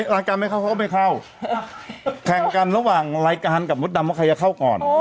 รายการไม่เข้าเขาก็ไม่เข้าแข่งกันระหว่างรายการกับมดดำว่าใครจะเข้าก่อน